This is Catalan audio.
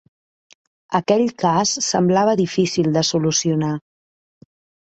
Aquell cas semblava difícil de solucionar.